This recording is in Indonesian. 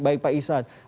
baik pak isan